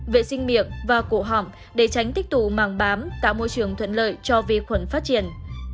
vệ sinh miệng và cổ họng để tránh tích tù màng bám tạo môi trường thuận lợi cho vi khuẩn phát triển